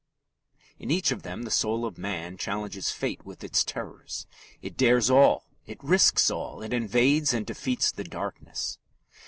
In each of them the soul of man challenges fate with its terrors: it dares all, it risks all, it invades and defeats the darkness.